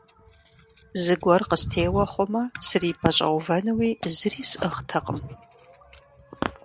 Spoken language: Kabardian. Зыгуэр къыстеуэ хъумэ, срипэщӀэувэнуи зыри сӀыгътэкъым.